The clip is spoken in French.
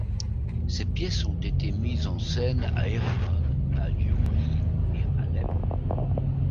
Ses pièces ont été mises en scène à Erevan, à Gyumri et à Alep.